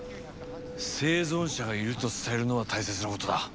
生存者がいると伝えるのは大切なことだ。